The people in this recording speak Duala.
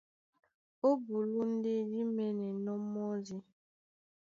Ó bulú ndé dí mɛ́nɛnɔ́ mɔ́di.